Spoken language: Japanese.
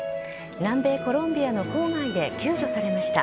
南米コロンビアの郊外で救助されました。